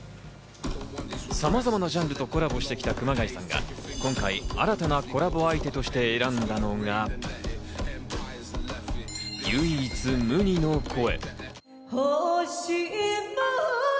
さまざまなジャンルとコラボしてきた熊谷さんが今回、新たなコラボ相手として選んだのが唯一無二の声。